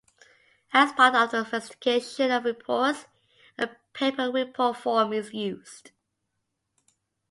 As part of the investigation of reports, a paper report form is used.